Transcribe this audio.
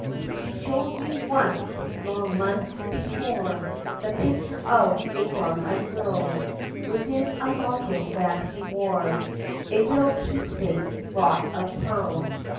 He showed me once long months before The picture of a dark eyed girl Within a locket that he wore — A little keepsake wrought of pearl.